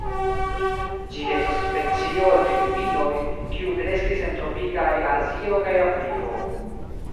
Ĝi estas specio el Filipinoj, kiu kreskis en tropikaj Azio kaj Afriko.